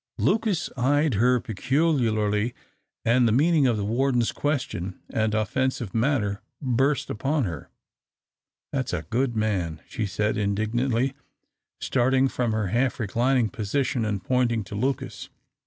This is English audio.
Lucas eyed her peculiarly, and the meaning of the warden's question and offensive manner burst upon her. "That's a good man," she said, indignantly, starting from her half reclining position and pointing to Lucas.